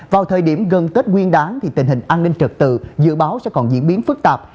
vào thời điểm gần tết nguyên đáng tình hình an ninh trật tự dự báo sẽ còn diễn biến phức tạp